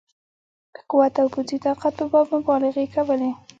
د قوت او پوځي طاقت په باب مبالغې کولې.